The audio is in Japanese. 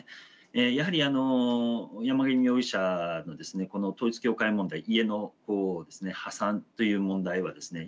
やはり山上容疑者のこの統一教会問題家の破産という問題はですね